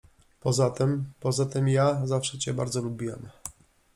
Poza tym… poza tym… ja zawsze cię bardzo lubiłam.